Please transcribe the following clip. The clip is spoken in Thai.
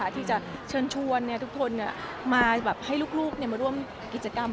ที่จะเชิญชวนทุกคนมาให้ลูกมาร่วมกิจกรรม